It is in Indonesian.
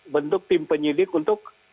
bentuk tim penyidik untuk